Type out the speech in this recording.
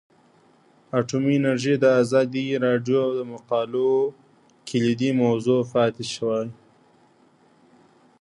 اټومي انرژي د ازادي راډیو د مقالو کلیدي موضوع پاتې شوی.